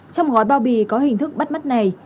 trong gói bao bì có hình thức bắt mắt này